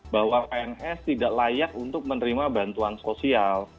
bahwa pns tidak layak untuk menerima bantuan sosial